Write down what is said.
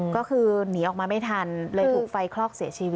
ก็คือหนีออกมาไม่ทันเลยถูกไฟคลอกเสียชีวิต